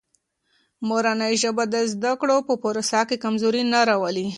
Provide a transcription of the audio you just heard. مورنۍ ژبه د زده کړو په پروسه کې کمزوري نه راولي.